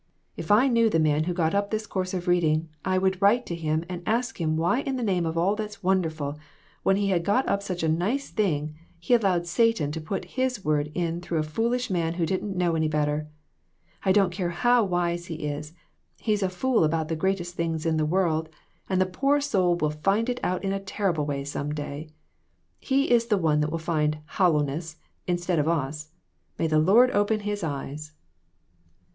If I knew the man who got up this course of reading, I would write to him and ask him why in the name of all that's wonderful, when he had got up such a nice thing, he allowed Satan to put his word in through a foolish man who didn't know any better. I don't care how wise he is, he's a fool about the greatest thing irf the world, and the poor soul will find it out in a terrible way some day. He is the one that will find 'hollowness.' instead of us. May the Lord open his eyes."